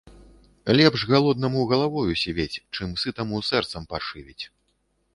Лепш галоднаму галавою сівець, чым сытаму сэрцам паршывець.